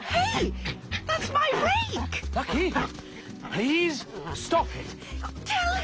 はい。